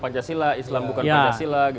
pancasila islam bukan pancasila